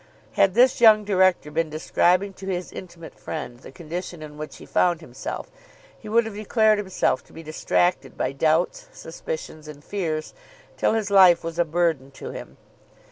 Had this young director been describing to his intimate friend the condition in which he found himself, he would have declared himself to be distracted by doubts, suspicions, and fears till his life was a burden to him.